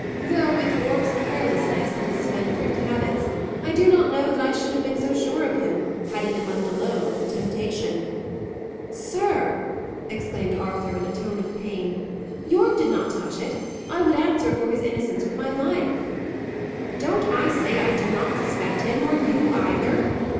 Though, with Yorke's carelessness and his spendthrift habits, I do not know that I should have been so sure of him, had he been left alone with the temptation." "Sir!" exclaimed Arthur, in a tone of pain, "Yorke did not touch it. I would answer for his innocence with my life." "Don't I say I do not suspect him, or you either?"